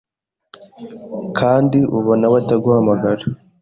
kandi ubona we ataguhamagara